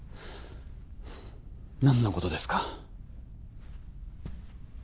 何のことですか？